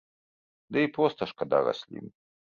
Ды і проста шкада расліны.